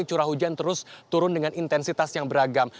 curah hujan terus turun dengan intensitas yang beragam